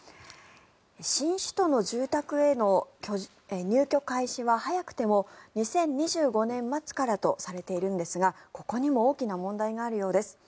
新首都の住宅への入居開始は早くても２０２５年末からとされているんですがここにも大きな問題があるようです。